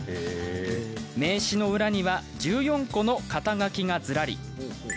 名刺の裏には１４個の肩書がずらり。